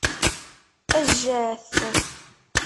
Ajjat!